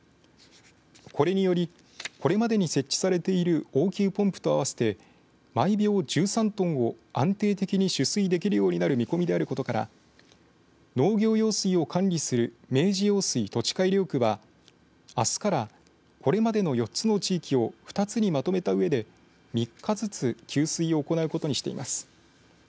これによりこれまでに設置されている応急ポンプと合わせて毎秒１３トンを安定的に取水できるようになる見込みであることから農業用水を管理する明治用水土地改良区はあすからこれまでの４つの地域を２つにまとめたうえで３日ずつ給水を行うことにしています。